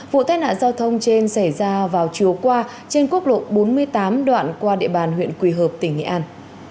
vụ tai nạn giao thông trên xảy ra vào chiều qua trên quốc lộ bốn mươi tám đoạn qua địa bàn huyện quỳ hợp tỉnh nghệ an